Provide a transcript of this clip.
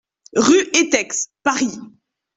RUE ETEX, Paris